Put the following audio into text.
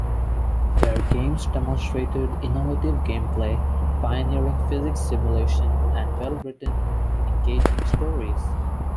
Their games demonstrated innovative gameplay, pioneering physics simulation, and well-written, engaging stories.